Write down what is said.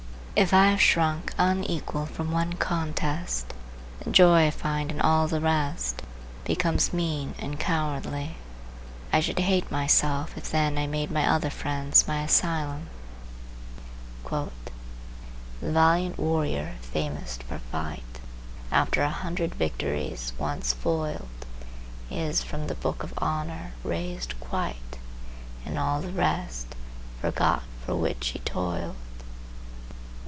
If I have shrunk unequal from one contest, the joy I find in all the rest becomes mean and cowardly. I should hate myself, if then I made my other friends my asylum:— "The valiant warrior famoused for fight, After a hundred victories, once foiled, Is from the book of honor razed quite, And all the rest forgot for which he toiled."